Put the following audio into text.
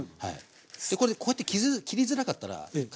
これこうやって切りづらかったら一回